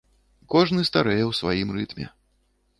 Кожны старэе ў сваім рытме.